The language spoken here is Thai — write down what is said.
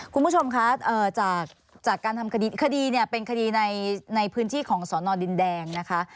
คุณผู้ชมคะจากการทำคดีเนี่ยเป็นคดีในพื้นที่ของสอนอดินแดงนะคะ